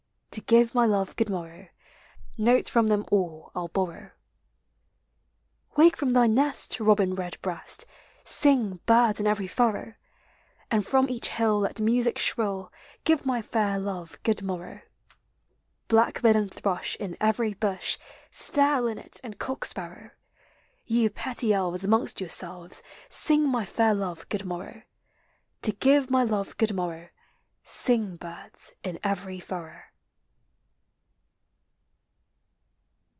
To give my love good morrow. Notes from them all 1 'II borrow. 42 POEMS OF NATURE. Wake from thy nest, robin redbreast, Sing, birds, in every furrow ; And from each hill let music shrill Give my fair love good morrow. Blackbird and thrush in every bush, Stare, linnet, and cock sparrow, You petty elves, amongst yourselves, Sing my fair love good morrow. To give my love good morrow, Sing, birds, in every furrow.